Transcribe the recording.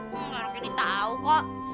hmm orang gendy tau kok